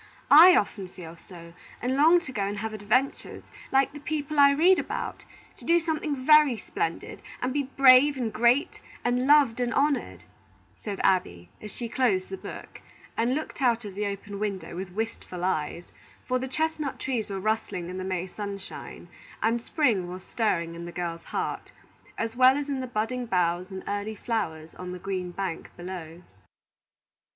I often feel so, and long to go and have adventures, like the people I read about; to do something very splendid, and be brave and great and loved and honored," said Abby, as she closed the book, and looked out of the open window with wistful eyes; for the chestnut trees were rustling in the May sunshine, and spring was stirring in the girl's heart, as well as in the budding boughs and early flowers on the green bank below.